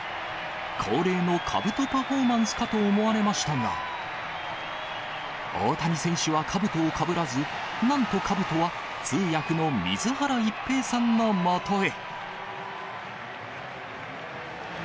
恒例のかぶとパフォーマンスかと思われましたが、大谷選手はかぶとをかぶらず、なんと、かぶとは通訳の水原一平さんのもとへ。